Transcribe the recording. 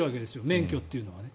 免許というのはね。